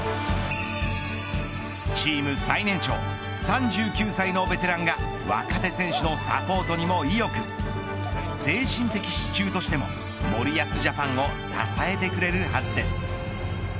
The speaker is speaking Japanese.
チーム最年長３９歳のベテランが若手選手のサポートにも意欲精神的支柱としても森保ジャパンを支えてくれるはずです。